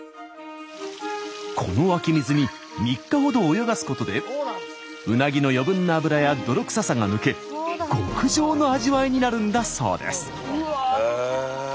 この湧き水に３日ほど泳がすことでうなぎの余分な脂や泥臭さが抜け極上の味わいになるんだそうです。